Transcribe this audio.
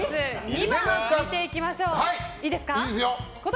２番見ていきましょう。